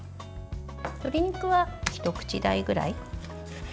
鶏肉は一口大ぐらい。